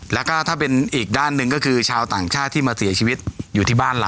แล้วก็ถ้าเป็นอีกด้านหนึ่งก็คือชาวต่างชาติที่มาเสียชีวิตอยู่ที่บ้านเรา